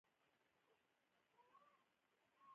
ته د خپلو خلکو له دښمن سره مرسته کوې.